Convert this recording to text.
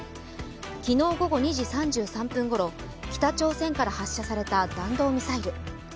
昨日午後２時３３分頃北朝鮮から発射された弾道ミサイル